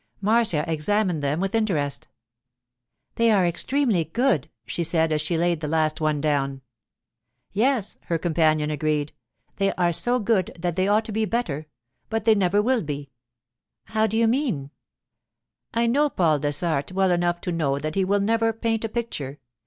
Marcia examined them with interest. 'They are extremely good,' she said as she laid the last one down. 'Yes,' her companion agreed; 'they are so good that they ought to be better—but they never will be.' 'How do you mean?' 'I know Paul Dessart well enough to know that he will never paint a picture.